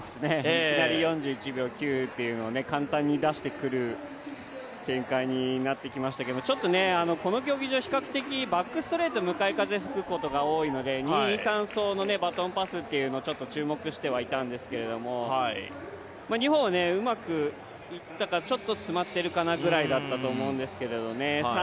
いきなり４１秒９というのを簡単に出してくる展開になってきましたがちょっとこの競技場、比較的、バックストレート、向かい風が吹くことが多いので２走、３走のバトンパスに注目してたんですけど日本はうまくいったか、ちょっと詰まってるからぐらいだったと思うんですけどね。